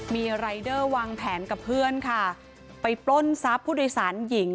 มีรายเดอร์วางแผนกับเพื่อนค่ะไปปล้นทรัพย์ผู้โดยสารหญิง